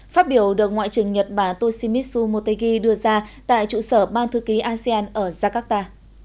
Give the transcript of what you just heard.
phát biểu được ngoại trưởng nhật bản toshimitsu motegi đưa ra tại trụ sở ban thư ký asean ở jakarta